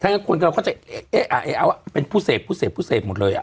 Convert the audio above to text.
ถ้างั้นคนก็จะเอ๊ะเอ๊ะเอ๊ะเอ๊ะเป็นผู้เสพผู้เสพผู้เสพหมดเลยอ่ะ